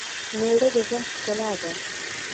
مېړه دژوند ښکلا ده